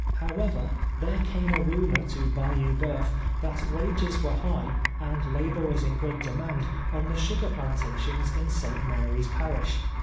However, there came a rumor to Ba you Bceuf that wages were high, and laborers in great demand on the sugar plantations in St. Mary's j)arish.